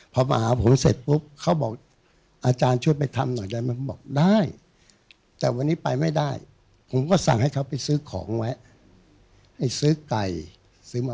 พอมาหาผมเสร็จปุ๊บ